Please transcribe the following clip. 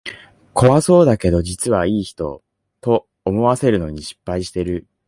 怖そうだけど実はいい人、と思わせるのに失敗してる